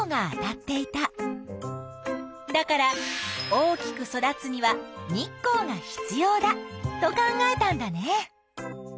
だから大きく育つには日光が必要だと考えたんだね。